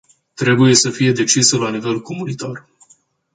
Trebuie să fie decisă la nivel comunitar.